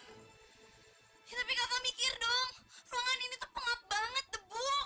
ya tapi kakak mikir dong ruangan ini tuh pengap banget debu